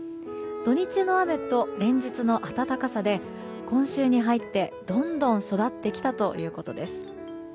土日の雨と連日の暖かさで今週に入ってどんどん育ってきたということです。